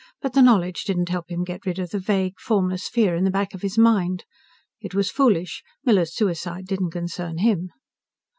But the knowledge didn't help him get rid of the vague, formless fear in the back of his mind. It was foolish. Miller's suicide didn't concern him.